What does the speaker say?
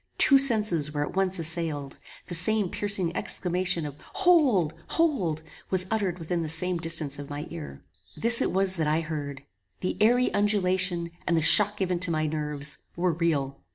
Two senses were at once assailed. The same piercing exclamation of HOLD! HOLD! was uttered within the same distance of my ear. This it was that I heard. The airy undulation, and the shock given to my nerves, were real.